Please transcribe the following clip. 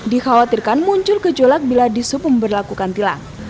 dikhawatirkan muncul kejolak bila di sub memperlakukan tilang